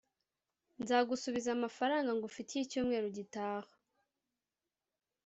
nzagusubiza amafaranga ngufitiye icyumweru gitaha.